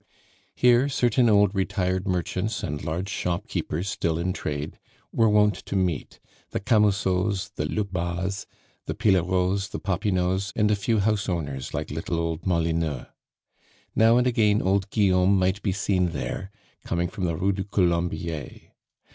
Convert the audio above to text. Here certain old retired merchants, and large shopkeepers still in trade, were wont to meet the Camusots, the Lebas, the Pilleraults, the Popinots, and a few house owners like little old Molineux. Now and again old Guillaume might be seen there, coming from the Rue du Colombier.